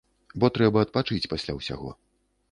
Бо трэба адпачыць пасля ўсяго.